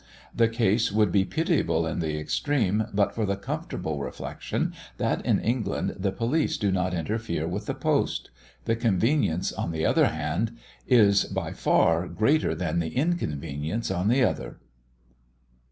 The case would be pitiable in the extreme, but for the comfortable reflection that in England the police do not interfere with the post. The convenience, on the one hand, is by far greater than the inconvenience on the other.